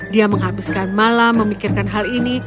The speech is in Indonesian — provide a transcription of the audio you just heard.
dia menghabiskan malam memikirkan hal ini